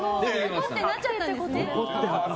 怒ってなっちゃったんですね。